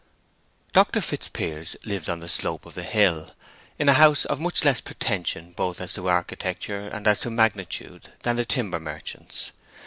Dr. Fitzpiers lived on the slope of the hill, in a house of much less pretension, both as to architecture and as to magnitude, than the timber merchant's.